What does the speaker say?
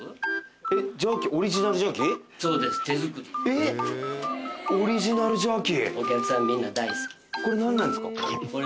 えっ！オリジナルジャーキー。